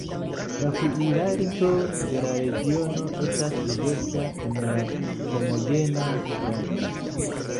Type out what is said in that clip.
La kuirarto de la regiono estas diversa ene de homogena grado.